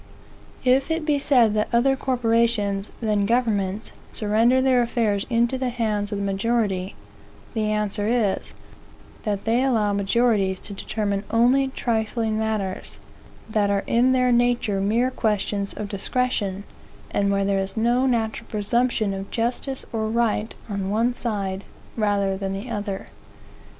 If it be said that other corporations, than governments, surrender their affairs into the hands of the majority, the answer is, that they allow majorities to determine only trifling matters, that are in their nature mere questions of discretion, and where there is no natural presumption of justice or right on one side rather than the other.